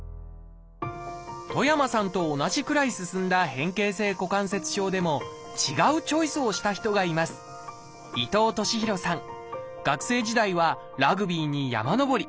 戸山さんと同じくらい進んだ変形性股関節症でも違うチョイスをした人がいます学生時代はラグビーに山登り